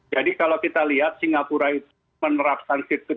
jadi kalau kita lihat singapura itu masih berada di tempat tempat yang lebih ketat